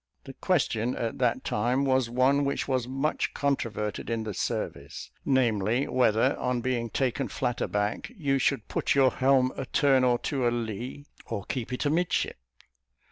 The question at that time was one which was much controverted in the service; namely, whether, on being taken flat aback, you should put your helm a turn or two alee, or keep it amidship?